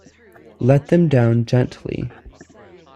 Let them down gently.